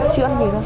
xương gì không